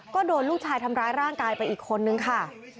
ก็โดนลูกชายทำร้ายร่างกายไปอีกคนนึงค่ะ